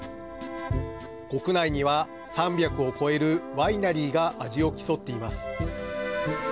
国内には、３００を超えるワイナリーが味を競っています。